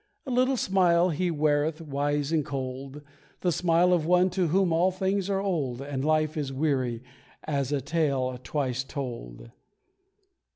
A little smile he weareth, wise and cold, The smile of one to whom all things are old, And life is weary, as a tale twice told.